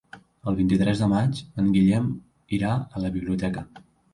El vint-i-tres de maig en Guillem irà a la biblioteca.